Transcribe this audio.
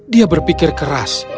dia berpikir keras